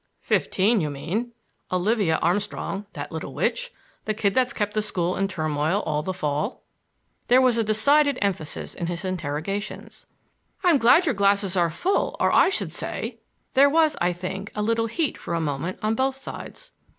"Fifteen, you mean! Olivia Armstrong—that little witch—the kid that has kept the school in turmoil all the fall?" There was decided emphasis in his interrogations. "I'm glad your glasses are full, or I should say—" There was, I think, a little heat for a moment on both sides.